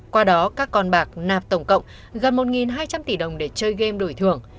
qua đó các con bạc nạp tổng cộng gần một hai trăm linh tỷ đồng để chơi game đổi thưởng